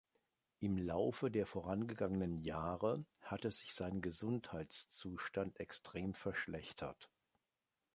Im Laufe der vorangegangenen Jahre hatte sich sein Gesundheitszustand extrem verschlechtert.